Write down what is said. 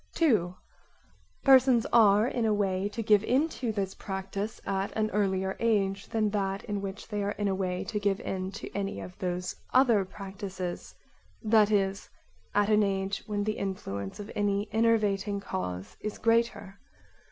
2) Persons [are] in a way to give into this practise at an earlier age than that in which they are in a way to give in to any of those other practises, that is, at an age when the influence of any enervating cause is greater.